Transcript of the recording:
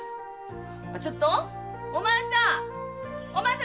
ちょっとお前さん！